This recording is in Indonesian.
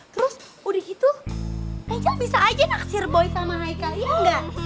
terus udah gitu angel bisa aja naksir boy sama haikal ya enggak